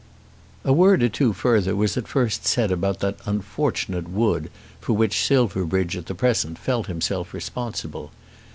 A word or two further was at first said about that unfortunate wood for which Silverbridge at the present felt himself responsible.